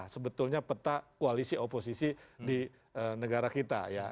sebetulnya peta koalisi oposisi di negara kita ya